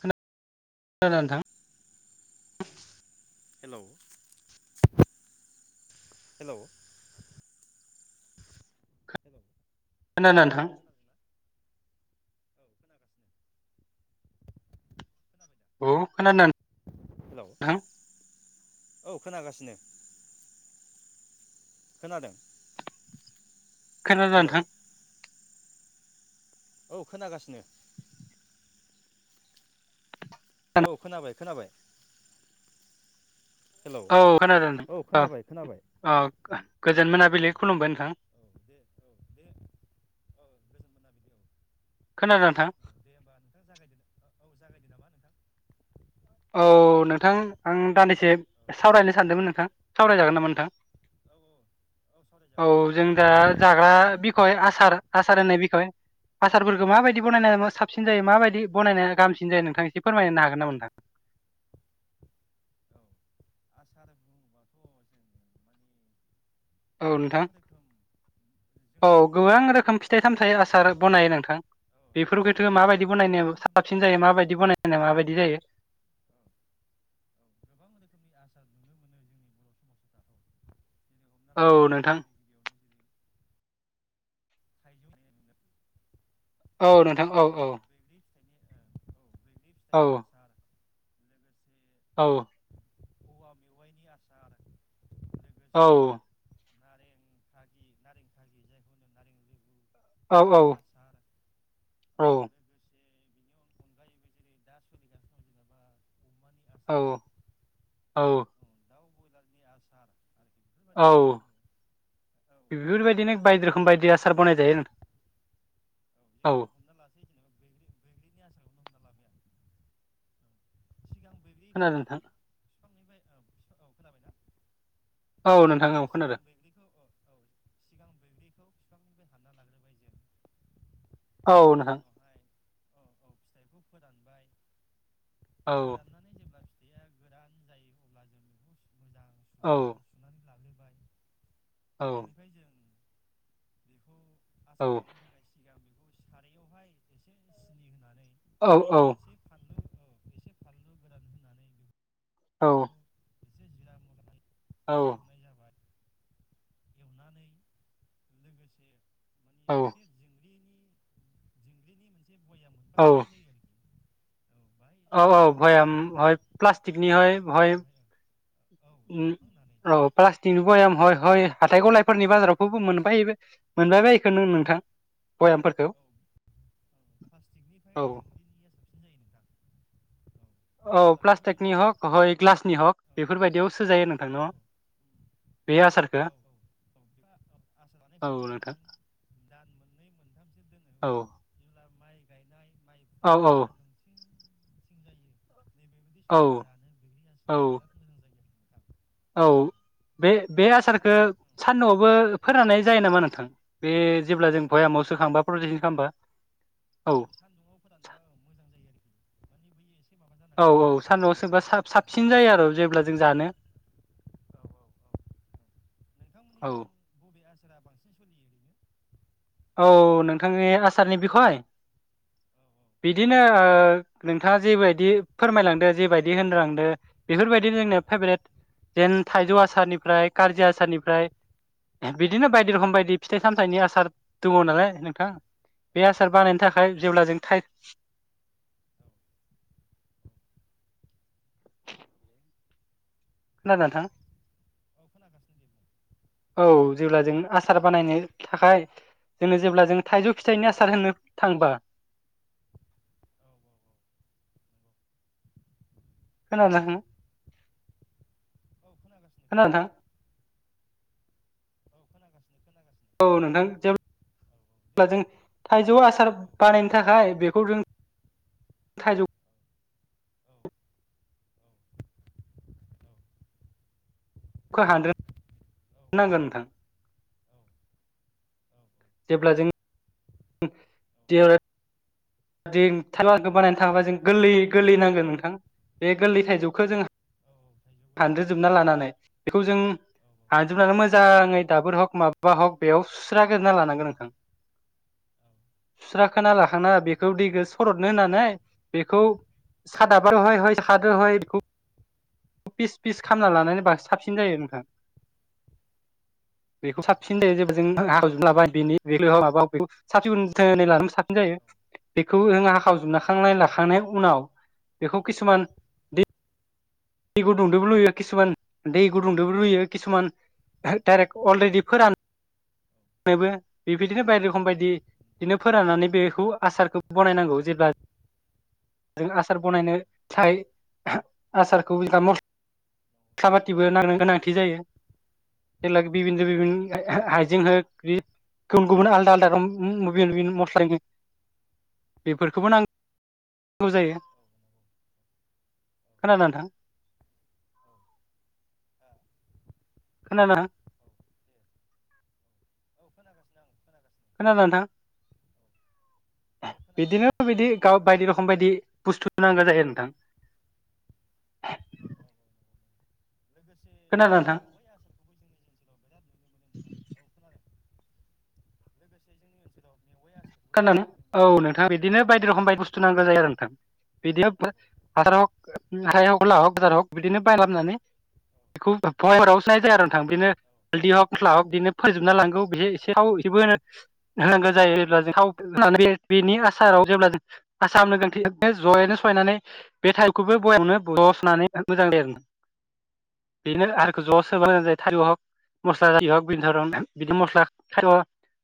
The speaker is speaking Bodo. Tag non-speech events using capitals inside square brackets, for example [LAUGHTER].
खोना [UNINTELLIGIBLE] दों नोंथां हेलौ हेलौ हेलौ खोनादो नोंथां? औ खोनागासिनो। खोनादों औ खोना [UNINTELLIGIBLE] थां औ खोनागासिनो। खोनादों। खोनादो नोंथां। औ खोनागासिनो। औ खोनाबाय खोनाबाय। हेलौ औ खोनादों औ नोंथां खोनाबाय खोनाबाय। औ गोजोन मोनाबिलि खुलुमबाय नोंथां मोनाबिलि औ खोनादों नोंथां औ दे होनबा नोंथां जागायदो औ जागायदो नामा नों औ नोंथां आं हेलौ दान्दिसे औ सावरायनो औ सानदोंमोन नोंथां सावरायजागोन नामा नोंथां? औ औ सावरायजागोन दे जों जागायदो दा औ जाग्रा बिखय आसार आसार होननाय बिखय औ आसारफोरखौ माबायदि औ बनायनाया औ साबसिन जायो माबायदि बनायनाया गाहामसिन जायो नोंथां एसे फोरमायनो हागोन नामा नोंथां? [UNINTELLIGIBLE] औ नोंथां [INAUDIBLE] औ जोंनि जोंनि गोबां रोखोम बर'फोरनि फिथाइ आरोखि सामथाइ आसार बानायो नोंथां औ औ बेफोरफोरखौथो माबायदि औ गोबां बनायनो रोखोमनि साबसिन जायो आसार औ माबायदि बानायनो माबायदि जायो? औ औ [INAUDIBLE] औ नोंथां [INAUDIBLE] [UNINTELLIGIBLE] औ नोंथां औ औ। लोगोसे बैग्रि फिथाइनि औ [INAUDIBLE] [INAUDIBLE] औ। [INAUDIBLE] औ ओ। [INAUDIBLE] लेबु औ औ बिनि आसार औ। [INAUDIBLE] औ औ। [INAUDIBLE] बेफोरबायदि औ नुनो मोनो औ जेरै आं बेफोरबायदिनो बायदि हमना रोखोम बायदि आ नोंथां औ [INAUDIBLE] लाबाय आं औ खोनादों नोंथां [INAUDIBLE] औ नोंथां औ [INAUDIBLE] खोनादों [INAUDIBLE] [INAUDIBLE] औ बेनि नोंथां। [INAUDIBLE] औ [INAUDIBLE] [INAUDIBLE] औ [INAUDIBLE] औ [INAUDIBLE] [INAUDIBLE] [INAUDIBLE] औ उस सारायावहाय एसे सिनि होनानै औ औ। एसे फानलु औ एसे फानलु गोरान होनानै औ। बेखौ एसे जिरा मस्ला औ। बे एवनाय एवनानै लोगोसे माने औ मोनसे दिंग्रिनि दिंग्रिनि मोनसे बया औ। औ बाहाय औ औ सोनानै दोननाय जायो भयाम'हाय आरोखि प्लास्टिकनिहाय औ बहाय भयामावहाय औ ओम एवखांनानै औ औ प्लास्टिकनि ओ भयाम हय हय हाथाइ गला फोरनि बाजारावफोरबो मोनबाय बाय मोनबायोखोनो औ नोंथां भयामफोरखौ औ औ प्लास्टिकनिफ्राय औ दिंग्रिनिया साबसिन जायो नोंथां। औ औ अब्ला बेखौ जों प्लास्टिकनि माने हक हय ग्लासनि हक औ औ बेफोरबायदियाव सोजायो नोंथां न' अह उम औ औ बे आसारखौ [UNINTELLIGIBLE] आसार औ बानायखांनानै जों नोंथां सान्दों दान मोननै मोनथामसो दोननो औ होबा जेब्ला माइ गायनाय माइ औ फुनाय औ सान्दुं थिं नै बेबायदि औ समाव जानो बैग्रि आसा औ। औ बे बे औ दा आसारखो नोंथां औ सानदुङावबो फोरान्नाय जायो नामा नोंथां? बे औ जेब्ला जों सान्दुं बयामाव औ सोखांबा प्रटेकसन खालामबा औ सान्दुंआव फोरानबा औ मोजां जायो आ औ औ बुस्थुआ सानदुंआव सोबा औ साब-साबसिन जायो आरो जेब्ला जों जानो, औ औ औ। सोरा बांसिन सलियो ओरैनो? औ नोंथांनि आसारनि बिखय? बिदिनो ओ नोंथाङा जेबायदि फोरमायलांदो जेबायदि होनलांदो बेफोरबायदिनो जोंनो फेभरेट जेन थाइजौ औ ओ आसारनिफ्राय खार्जि आसारनिफ्राय बिदिनो बायदि रोखोम बायदि फिथाइ सामथाइनि आसार दङ' नालाय नोंथां औ औ बे आसार औ बानायनो थाखाय जेब्ला जों थाइ औ खोनादों नोंथां? अह खोनागासिनो दे बुं। औ जेब्ला जों आसार औ बानायनो थाखाय जोङो जेब्ला जों थाइजौ फिथाइनि आसार होननो थांबा औ नंगौ खोनादों होम? औ खोनागासिनो खोनागासिनो। औ खोनागासिनो खोनागासिनो। औ नोंथां औ दे जेब्लाजों औ औ थाइजौ आसार औ दे बानायनो बुं थाखाय बेखौ जों थाइजौ औ औ औ औ खौ हानग्रो औ नांगोन‌ नोंथां। औ जेब्ला जों [UNINTELLIGIBLE] जों टालाखो बानायनो थांबा जों गोरलै -गोरलै नांगोन नोंथां बे गोरलै थाइजौखौ जों औ थाइजौ हानग्रो गोरलै जोबना लानानै बेखौ जों औ औ हानजोबनानै मोजाङै दाबोर हग माबा औ हक बेयाव सुस्रागोना लानांगोन नोंथां औ सुस्राखांना औ नंगौ औ नंगौ औ नंगौ औ लाखांना बेखौ [UNINTELLIGIBLE] दैखौ सरदनो होननानै बेखौ सादाब हय- हय सादो हय बेखौ फिस -फिस खालामना लानानैबा साबसिन जायो नोंथां। बेखौ साबसिन जायो जेबो जों हाखावजोबलाबाय बेनि बे माब साब -सिखैनै साबसिन जायो बेखौ जों हाखावजोबनालाखांनायनि उनाव बेखौ किसुमान दै गुदुंदबो रुयो किसुमान दै गुदुंदबो रुयो किसुमान डाइरेक्ट अलरेडि फोरान [UNINTELLIGIBLE] बेबायदिनो बायदि रोखोम बायदि बिदिनो फोराननानै बेखौ आसारखौ बानायनांगौ जेब्ला जों आसार बानायनो साय [UNINTELLIGIBLE] आसारखौ मस्ला बाथिबो नांनो गोनांथि जायो जेब्ला बिबन बिभिन नंगौ औ हाइजें हो गुबुन -गुबुन आलदा आलदा [UNINTELLIGIBLE] मस्ला बेफोरखौबो नाङो। जौ जायो औ खोनाला नोंथां। औ हा खोनाला। औ दे औ खोनागासिनो आं खोनागासिनो। खोनादों औ नोंथां। बिदिनो खोनागासिनो -बिदि गाव बायदि रखम खम बायदि बुस्थु नांगौ औ जायो नोंथां। औ नंगौ नंगौ लोगोसे खोनादों नोंथां मेवाइ आसारखौबो जोंनि ओनसोलाव बिराद नुनो मोनो नोंथां औ खोनादों। लोगोसे जोंनि ओनसोलाव मेवाइ आसारखौबो बिराद नुनो खोनादों मोनो औ बर्थमान नोंथां बिदिनो बायदि रखम बायदि बुस्थु नांगौ। औ औ औ औ औ [UNINTELLIGIBLE] जेब्ला थाव फोननानै बेनि आसाराव जेब्ला जों आसारनो गोनांथि [UNINTELLIGIBLE]